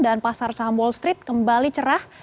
dan pasar saham wall street kembali cerah